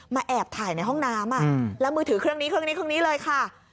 มาแอบถ่ายในห้องน้ำอ่ะแล้วมือถือเครื่องนี้เลยค่ะ